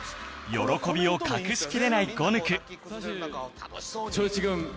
喜びを隠しきれないゴヌク